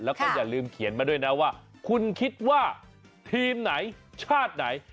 แล้วก็อย่าลืมเขียนมาด้วยนะว่าคุณคิดว่าทีมไหนชาติไหน